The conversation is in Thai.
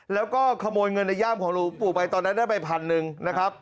แล้วก็ขโมยเงินในย่ามของหลวงปู่ไปตอนนั้นได้ไปพันหนึ่งนะครับ